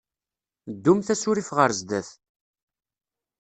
Ddumt asurif ɣer sdat.